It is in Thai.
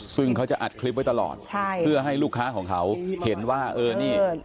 ซึ่งเขาจะอัดคลิปไว้ตลอดใช่เพื่อให้ลูกค้าของเขาเห็นว่าเออนี่